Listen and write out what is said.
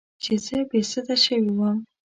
چې زه بې سده شوې وم.